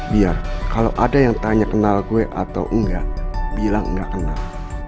biar kalau ada yang tanya kenal gue atau enggak bilang enggak kenal